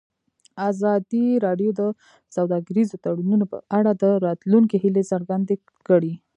ازادي راډیو د سوداګریز تړونونه په اړه د راتلونکي هیلې څرګندې کړې.